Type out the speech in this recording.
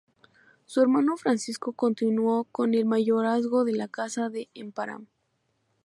Su hermano Francisco continuó con el mayorazgo de la casa de Emparan.